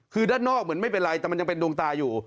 คือด้านนอกเหมือนไม่เป็นไรแต่มันยังเป็นดวงตาอยู่